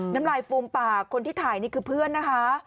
น้ำลายฟูมปากคนที่ถ่ายนี่คือเพื่อนนะคะ